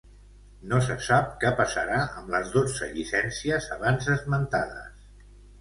No se sap què passarà amb les dotze llicències abans esmentades.